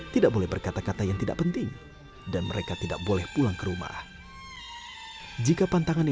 tidak boleh berkata kata yang tidak berkata kata yang tidak berkata kata yang tidak berkata kata